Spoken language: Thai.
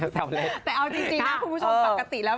แต่เอาจริงนะคุณผู้ชมปกติแล้ว